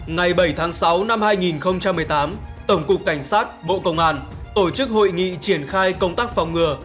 ngày bảy tháng sáu năm hai nghìn một mươi tám tổng cục cảnh sát bộ công an tổ chức hội nghị triển khai công tác phòng ngừa